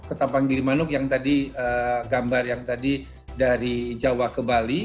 ke tapang gilimanuk yang tadi gambar yang tadi dari jawa ke bali